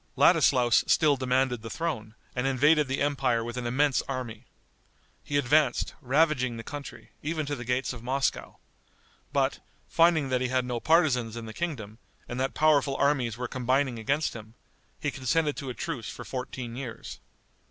Ladislaus still demanded the throne, and invaded the empire with an immense army. He advanced, ravaging the country, even to the gates of Moscow. But, finding that he had no partisans in the kingdom, and that powerful armies were combining against him, he consented to a truce for fourteen years.